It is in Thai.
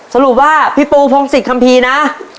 สรุปว่าพี่ปูพงศิษย์คำพีนะ